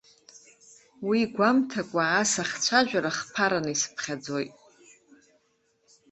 Уи гәамҭақәа ас ахцәажәара хԥараны исыԥхьаӡоит.